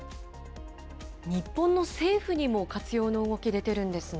日本の政府にも活用の動き出てるんですね。